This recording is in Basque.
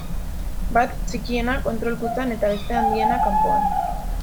Bat, txikiena, kontrol kutxan, eta bestea, handiena, kanpoan.